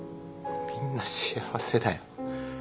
みんな幸せだよ。